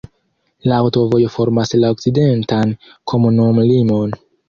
La aŭtovojo formas la okcidentan komunumlimon.